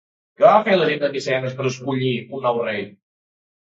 Què va fer la gent de Micenes per escollir un nou rei?